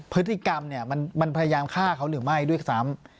พฤติกรรมเนี่ยมันพยายามฆ่าเขาหรือไม่ด้วยซ้ำ